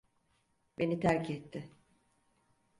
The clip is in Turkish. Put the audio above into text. Beni terk etti.